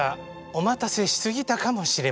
お待たせしすぎたかもしれません。